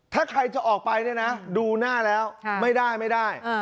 ถ้าใครจะออกไปเนี่ยนะดูหน้าแล้วไม่ได้ไม่ได้